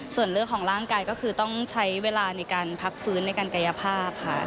ส่วนเรื่องของร่างกายก็คือต้องใช้เวลาในการพักฟื้นในการกายภาพค่ะ